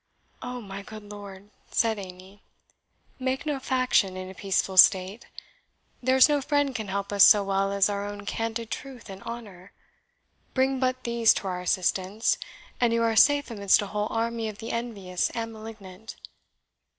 "Oh, my good lord," said Amy, "make no faction in a peaceful state! There is no friend can help us so well as our own candid truth and honour. Bring but these to our assistance, and you are safe amidst a whole army of the envious and malignant.